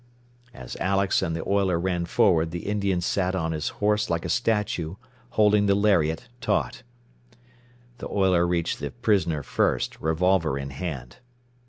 As Alex and the oiler ran forward the Indian sat on his horse like a statue, holding the lariat taut. The oiler reached the prisoner first, revolver in hand.